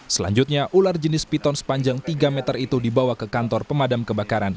selanjutnya ular jenis piton sepanjang tiga meter itu dibawa ke kantor pemadam kebakaran